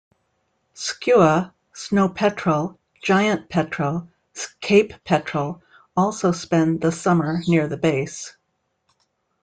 Skua, snow petrel, giant petrel, Cape petrel also spend the summer near the base.